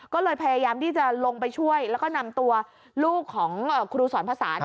ก็เลยพยายามที่จะลงไปช่วยแล้วก็นำตัวลูกของครูสอนภาษา